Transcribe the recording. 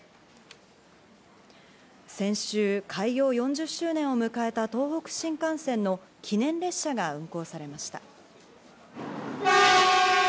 先週、開業４０周年を迎えた東北新幹線の記念列車が運行されました。